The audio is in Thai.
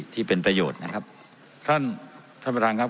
ที่เป็นประโยชน์นะครับท่านท่านประธานครับ